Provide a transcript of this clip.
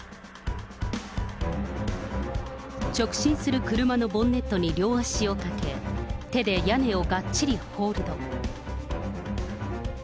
直進する車のボンネットに両足をかけ、手で屋根をがっちりホールド。